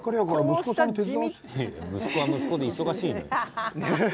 息子は息子で忙しいのよ。